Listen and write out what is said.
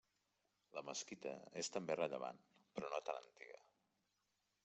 La mesquita és també rellevant, però no tan antiga.